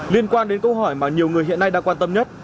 liên quan đến câu hỏi mà nhiều người hiện nay đã quan tâm nhất